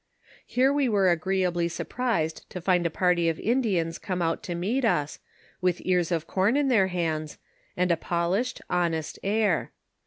Here we were agreeably surprised to find a party of Indians come out to meet us, with ears of com in their hands, and a polished, honest air.